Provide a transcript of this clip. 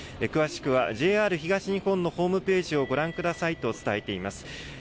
詳しくはＪＲ東日本のホームページをご覧くださいと伝えています。